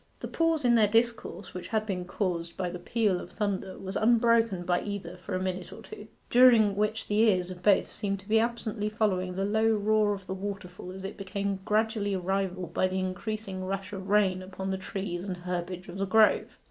The pause in their discourse, which had been caused by the peal of thunder was unbroken by either for a minute or two, during which the ears of both seemed to be absently following the low roar of the waterfall as it became gradually rivalled by the increasing rush of rain upon the trees and herbage of the grove.